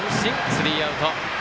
スリーアウト。